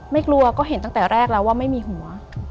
ไม่กลัวก็เห็นตั้งแต่แรกแล้วว่าไม่มีหัว